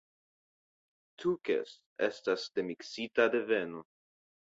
Tookes estas de miksita deveno.